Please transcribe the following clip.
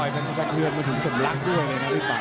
มันก็จะเทือนมาถึงสมรักด้วยนะครับพี่ป่า